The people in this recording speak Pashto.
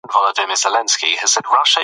غلام په ډیره مینه سپي ته ګوري.